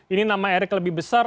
ini nama erick lebih besar